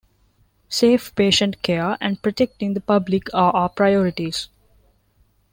Safe patient care and protecting the public are our priorities.